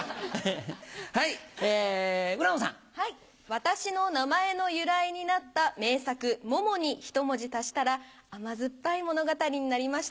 私の名前の由来になった名作『モモ』にひと文字足したら甘酸っぱい物語になりました。